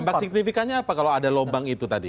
dampak signifikannya apa kalau ada lubang itu tadi